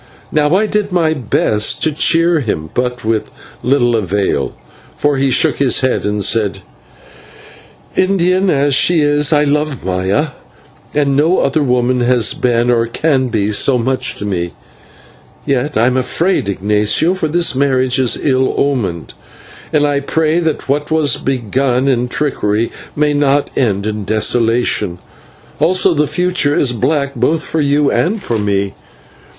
Now I did my best to cheer him, but with little avail, for he shook his head and said: "Indian as she is, I love Maya, and no other woman has been or can be so much to me; and yet I am afraid, Ignatio, for this marriage is ill omened, and I pray that what was begun in trickery may not end in desolation. Also the future is black both for you and for me.